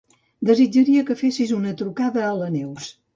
Desitjaria que fessis una trucada a la Neus.